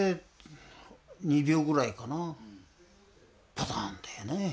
パタンだよね。